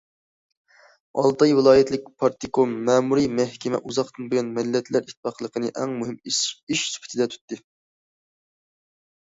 ئالتاي ۋىلايەتلىك پارتكوم، مەمۇرىي مەھكىمە ئۇزاقتىن بۇيان مىللەتلەر ئىتتىپاقلىقىنى ئەڭ مۇھىم ئىش سۈپىتىدە تۇتتى.